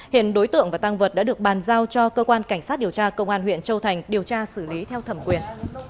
hiện đối tượng và tăng vật đã được bàn giao cho cơ quan cảnh sát điều tra công an huyện châu thành điều tra xử lý theo thẩm quyền